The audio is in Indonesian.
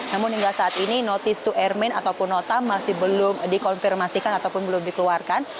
namun hingga saat ini notice to airmen ataupun nota masih belum dikonfirmasikan ataupun belum dikeluarkan